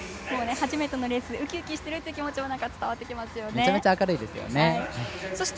初めてのレースでウキウキしているという気持ちも伝わってきました。